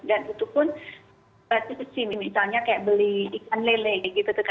dan itu pun berarti ke sini misalnya kayak beli ikan lele gitu